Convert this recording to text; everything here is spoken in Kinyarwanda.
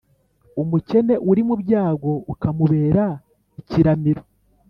umukene uri mu byago ukamubera ikiramiro.